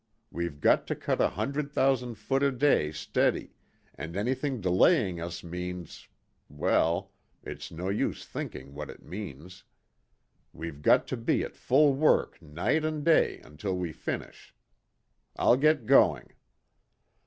We've got to cut a hundred thousand foot a day steady, and anything delaying us means well, it's no use thinking what it means. We've got to be at full work night and day until we finish. I'll get going."